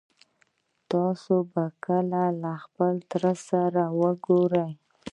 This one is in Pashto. تاسو به کله خپل تره سره وګورئ